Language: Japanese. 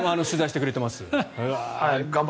取材してくれています。